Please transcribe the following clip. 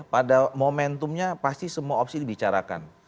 pada momentumnya pasti semua opsi dibicarakan